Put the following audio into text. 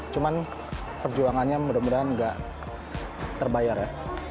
cuman perjuangannya mudah mudahan nggak terbayar ya